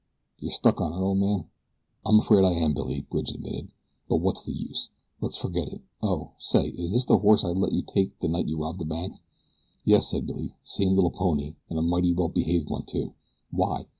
You're stuck on her, ol' man?" "I'm afraid I am, Billy," Bridge admitted; "but what's the use? Let's forget it. Oh, say, is this the horse I let you take the night you robbed the bank?" "Yes," said Billy; "same little pony, an' a mighty well behaved one, too. Why?"